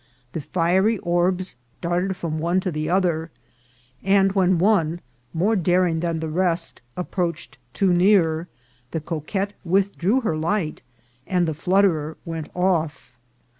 The fiery orbs darted from one to the other ; and when one, more daring than the rest, approached too near, the coquette withdrew her light, and the flut terer went off.